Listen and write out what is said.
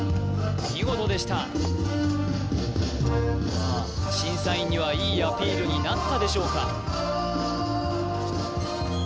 見事でしたさあ審査員にはいいアピールになったでしょうか